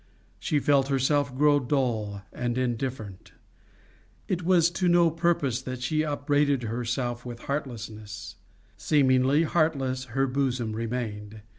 She felt herself grow dull and indifferent. It was to no purpose that she upbraided herself with heartlessness; seemingly heartless her bosom remained.